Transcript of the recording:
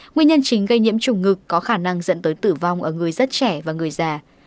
nguyên nhân chính gây nhiễm chủng ngực có khả năng dẫn tới tử vong ở người rất trẻ và người già